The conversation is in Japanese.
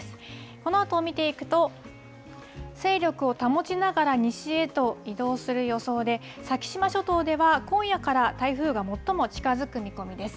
このあとを見ていくと、勢力を保ちながら西へと移動する予想で、先島諸島では、今夜から台風が最も近づく見込みです。